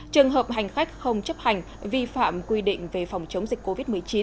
trường hợp hành khách không chấp hành vi phạm quy định về phòng chống dịch covid một mươi chín